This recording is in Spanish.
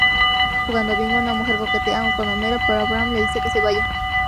Jugando bingo, una mujer coquetea con Homero, pero Abraham le dice que se vaya.